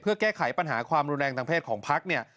เพื่อแก้ไขปัญหาความรุนแรงทางเพศของภพ